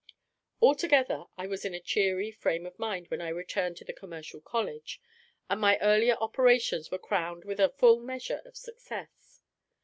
Altogether, I was in a cheery frame of mind when I returned to the commercial college; and my earlier operations were crowned with a full measure of success.